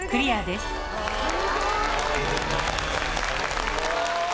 すごい！